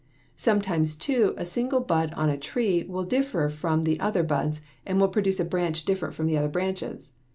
Sometimes, too, a single bud on a tree will differ from the other buds and will produce a branch different from the other branches.